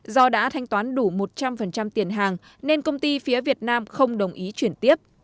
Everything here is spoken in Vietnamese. do đã thanh toán đủ một trăm linh tiền hàng nên công ty phía việt nam không đồng ý chuyển tiếp